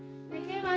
terima kasih maaf ya